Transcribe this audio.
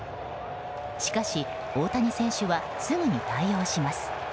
しかし、大谷選手はすぐに対応します。